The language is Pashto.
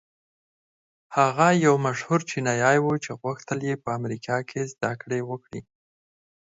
هغه يو مشهور چينايي و چې غوښتل يې په امريکا کې زدهکړې وکړي.